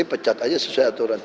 pecat aja sesuai aturan